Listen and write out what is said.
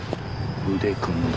腕組んだ。